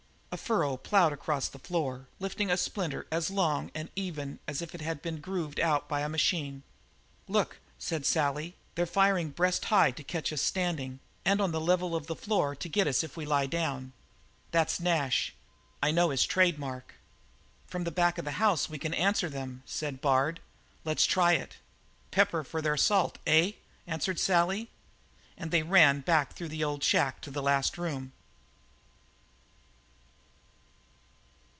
A furrow ploughed across the floor, lifting a splinter as long and even as if it had been grooved out by a machine. "Look!" said Sally, "they're firin' breast high to catch us standing, and on the level of the floor to get us if we lie down. That's Nash. I know his trademark." "From the back of the house we can answer them," said Bard. "Let's try it." "Pepper for their salt, eh?" answered Sally, and they ran back through the old shack to the last room.